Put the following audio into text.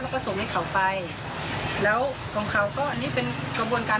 แล้วก็ส่งให้เขาไปแล้วของเขาก็นี่เป็นกระบวนการ